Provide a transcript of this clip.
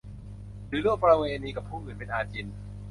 หรือร่วมประเวณีกับผู้อื่นเป็นอาจิณ